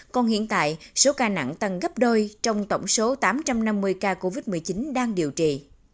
còn hiện tại số ca nặng tăng gấp đôi trong tổng số tám trăm năm mươi ca covid một mươi chín đang điều trị